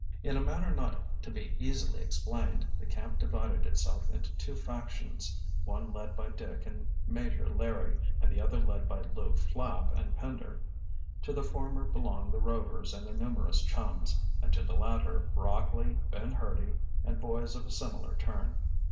In a manner not to be easily explained, the camp divided itself into two factions, one led by Dick and Major Larry, and the other led by Lew Flapp and Pender. To the former belonged the Rovers and their numerous chums, and to the latter Rockley, Ben Hurdy, and boys of a similar turn.